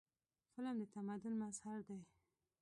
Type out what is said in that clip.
قلم د تمدن مظهر دی.